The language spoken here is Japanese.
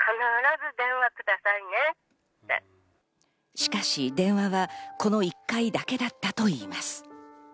しかし電話はこの１回だけだったといいます。